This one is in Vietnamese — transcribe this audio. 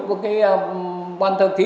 với cái ban thờ thiết